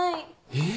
えっ？